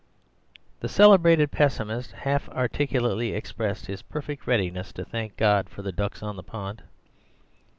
"The celebrated pessimist half articulately expressed his perfect readiness to thank God for the ducks on the pond.